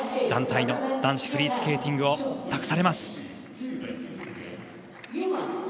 団体の男子フリースケーティングを鍵山に託されます。